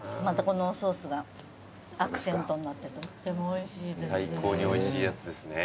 またこのおソースがアクセントになってとってもおいしいです。